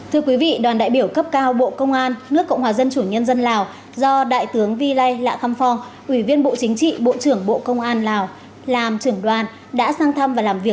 hãy đăng ký kênh để ủng hộ kênh của chúng mình nhé